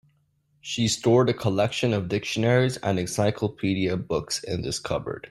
She stored a collection of dictionaries and encyclopedia books in this cupboard.